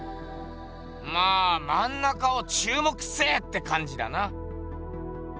まあ「まん中を注目せい！」ってかんじだな。